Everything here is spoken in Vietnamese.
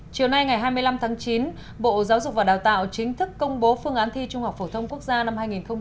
chiều nay ngày hai mươi năm tháng chín bộ giáo dục và đào tạo chính thức công bố phương án thi trung học phổ thông quốc gia năm hai nghìn một mươi chín